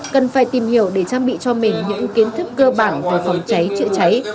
cần phải tìm hiểu để trang bị cho mình những kiến thức cơ bản về phòng cháy chữa cháy